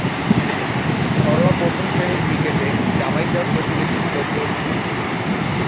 ঘরোয়া প্রথম-শ্রেণীর ক্রিকেটে জামাইকার প্রতিনিধিত্ব করছেন।